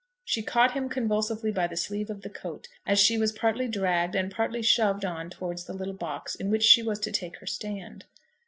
She caught him convulsively by the sleeve of the coat, as she was partly dragged and partly shoved on towards the little box in which she was to take her stand.